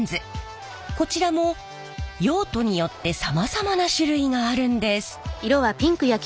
こちらも用途によってさまざまな種類があるんです。